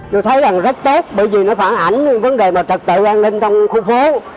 tôi thấy rằng rất tốt bởi vì nó phản ảnh vấn đề mà trật tự an ninh trong khu phố